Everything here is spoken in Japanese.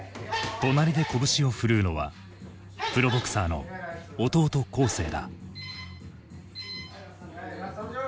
隣で拳を振るうのはプロボクサーの弟恒成だ。